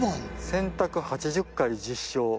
「洗濯８０回実証！！